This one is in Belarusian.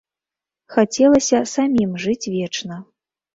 Хацелася самім жыць вечна.